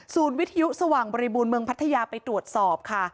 วิทยุสว่างบริบูรณ์เมืองพัทยาไปตรวจสอบค่ะ